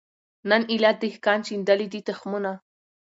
نن ایله دهقان شیندلي دي تخمونه